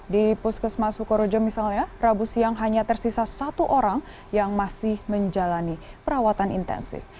di puskesmas sukorojo misalnya rabu siang hanya tersisa satu orang yang masih menjalani perawatan intensif